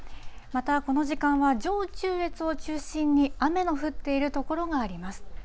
また、この時間は上中越を中心に雨の降っている所があります。